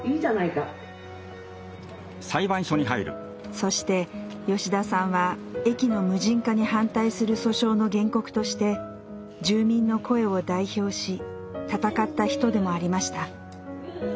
そして吉田さんは駅の無人化に反対する訴訟の原告として住民の声を代表し闘った人でもありました。